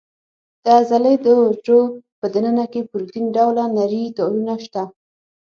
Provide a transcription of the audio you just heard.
د عضلې د حجرو په دننه کې پروتین ډوله نري تارونه شته.